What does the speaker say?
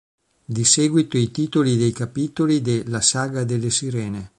Di seguito i titoli dei capitoli de La saga delle sirene.